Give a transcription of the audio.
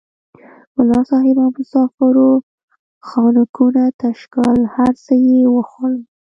ملا صاحب او مسافرو خانکونه تش کړل هر څه یې وخوړل.